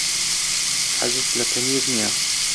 حەزت لە پەنیر نییە.